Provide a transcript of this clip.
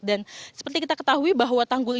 dan seperti kita ketahui bahwa tanggul ini